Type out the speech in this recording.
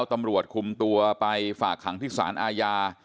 ตำรวจคุมตัวไปฝากขังที่สารอาญา